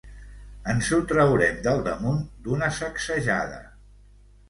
Ens ho traurem del damunt d'una sacsejada.